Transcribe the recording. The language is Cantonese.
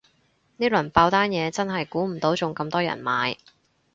呢輪爆單嘢真係估唔到仲咁多人買